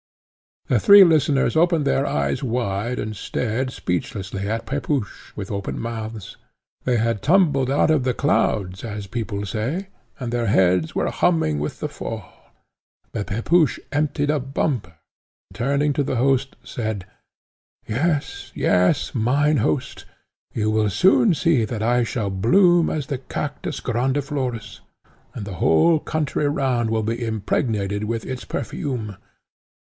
The three listeners opened their eyes wide, and stared, speechlessly, at Pepusch, with open mouths. They had tumbled out of the clouds, as people say, and their heads were humming with the fall. But Pepusch emptied a bumper, and, turning to the host, said, "Yes, yes, mine host; you will soon see that I shall bloom as the Cactus grandiflorus, and the whole country round will be impregnated with its perfume.